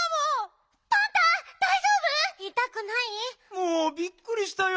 もうびっくりしたよ。